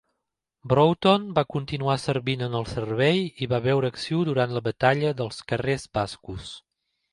Broughton va continuar servint en el servei i va veure acció durant la batalla dels Carrers Bascos.